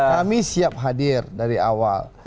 kami siap hadir dari awal